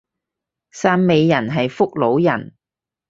汕尾人係福佬人